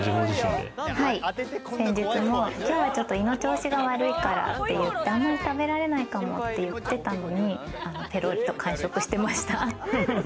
先日も今日ちょっと胃の調子が悪いからって言って、あまり食べられないかもって言ってたのに、ペロリと完食してました。